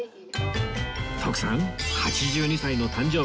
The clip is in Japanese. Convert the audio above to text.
徳さん８２歳の誕生日